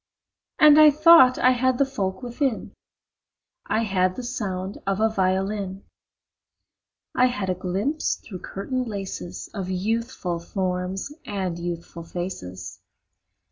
And I thought I had the folk within: I had the sound of a violin; I had a glimpse through curtain laces Of youthful forms and youthful faces.